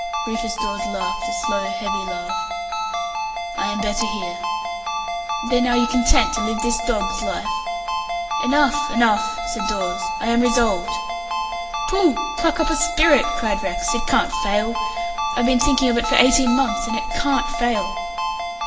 Rufus Dawes laughed a slow, heavy laugh. "I am better here." "Then are you content to live this dog's life?" "Enough, enough," said Dawes. "I am resolved." "Pooh! Pluck up a spirit," cried Rex. "It can't fail. I've been thinking of it for eighteen months, and it can't fail."